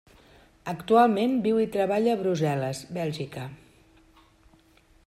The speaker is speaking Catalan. Actualment viu i treballa a Brussel·les, Bèlgica.